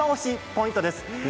ポイントです。